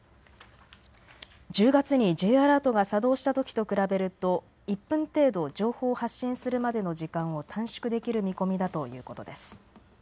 １０月にＪアラートが作動したときと比べると１分程度、情報を発信するまでの時間を短縮できる見込みだということです。